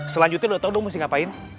selanjutnya udah tau dong mesti ngapain